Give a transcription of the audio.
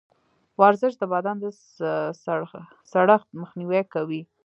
ورزش د بدن د سړښت مخنیوی کوي.